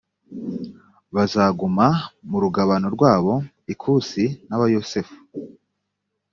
bazaguma mu rugabano rwabo ikusi n abayosefu